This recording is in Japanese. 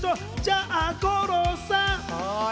じゃあ、五郎さん。